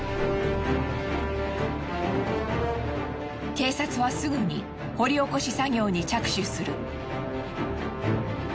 警察はすぐに掘り起こし作業に着手する。